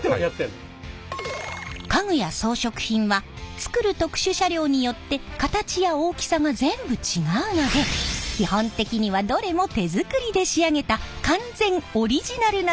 家具や装飾品は作る特殊車両によって形や大きさが全部違うので基本的にはどれも手作りで仕上げた完全オリジナルなのです！